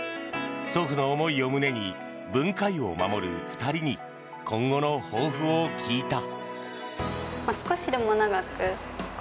祖父の思いを胸に文化湯を守る２人に今後の抱負を聞いた。